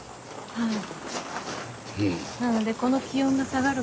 はい。